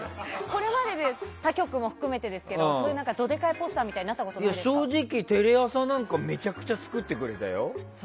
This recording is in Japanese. これまで他局も含めてですがそういうどでかいポスターみたいに正直、テレ朝なんかめちゃくちゃ作ってくれたよ。